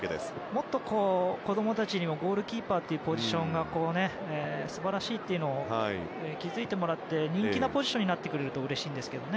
もっと子供たちにもゴールキーパーというポジションが素晴らしいというのを気づいてもらって人気のポジションになってくれるとうれしいですけどね。